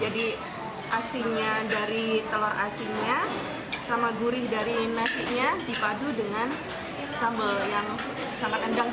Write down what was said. jadi asinnya dari telur asinnya sama gurih dari nasinya dipadu dengan sambal yang sangat endang